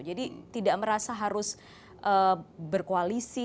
jadi tidak merasa harus berkoalisi